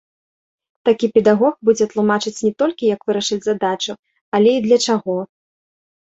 Такі педагог будзе тлумачыць не толькі, як вырашыць задачу, але і для чаго.